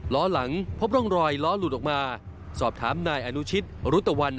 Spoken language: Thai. ล้อหลังพบร่องรอยล้อหลุดออกมาสอบถามนายอนุชิตรุตะวัน